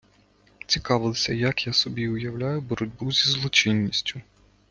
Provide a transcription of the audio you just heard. Цікавилися, як я собі уявляю боротьбу зі злочинністю.